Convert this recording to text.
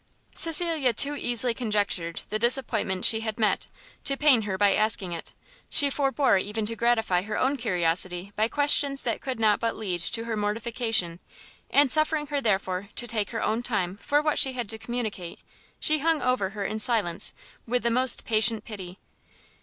Cecilia too easily conjectured the disappointment she had met, to pain her by asking it; she forbore even to gratify her own curiosity by questions that could not but lead to her mortification, and suffering her therefore to take her own time for what she had to communicate, she hung over her in silence with the most patient pity.